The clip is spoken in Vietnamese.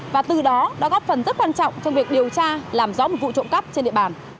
và từ đó đã góp phần rất quan trọng trong việc điều tra làm rõ một vụ trộm cắp trên địa bàn